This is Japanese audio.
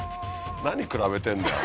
何比べてんだよ。